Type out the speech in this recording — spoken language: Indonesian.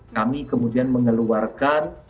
kami kemudian mengeluarkan